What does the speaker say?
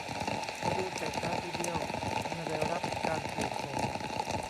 เธอดูเตะตาทีเดียวเมื่อได้รับการเปลี่ยนโฉม